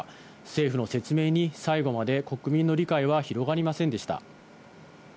政府の説明に、最後まで国民の理解は広がりませんでした。